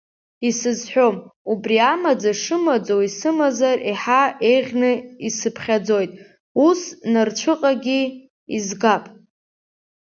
Исызҳәом, убри амаӡа шымаӡоу исымазар иаҳа еиӷьны исыԥхьаӡоит, ус нарцәыҟагьы изгап.